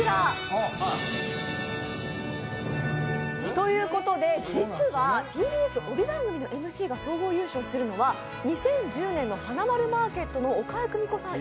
ということで、実はＴＢＳ、帯番組のＭＣが総合優勝するのは２０１０年の「はなまるマーケット」の岡江久美子さん